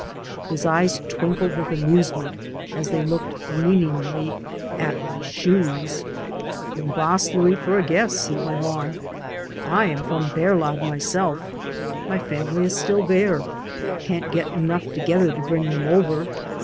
His eyes twinkled with amusement as they looked meaningly at my shoes. " From Vaslui, for a guess," he went on, "I am from Berlad myself. My family is still there. Can't get enough together to bring them over.